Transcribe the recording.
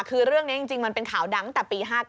คือเรื่องนี้จริงมันเป็นข่าวดังต่อปี๑๙๕๙